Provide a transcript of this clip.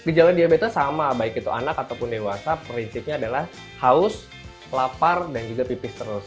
gejala diabetes sama baik itu anak ataupun dewasa prinsipnya adalah haus lapar dan juga pipis terus